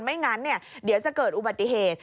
ไม่งั้นเดี๋ยวจะเกิดอุบัติเหตุ